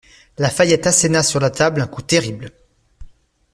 La Fayette asséna sur la table un coup terrible.